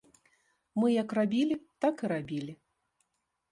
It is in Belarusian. Мы як рабілі, так і рабілі.